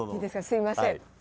すみません。